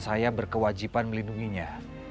saya berkewajipan melindunginya